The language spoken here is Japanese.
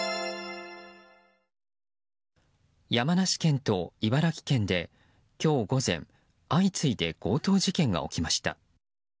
山梨県と茨城県で今日午前相次いで強盗事件が起きました。